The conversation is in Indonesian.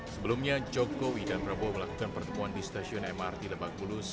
sebelumnya jogobo dan prabowo melakukan pertemuan di stasiun mrt lebakbulus